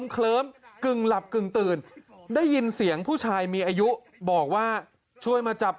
เคลิ้มกึ่งหลับกึ่งตื่นได้ยินเสียงผู้ชายมีอายุบอกว่าช่วยมาจับ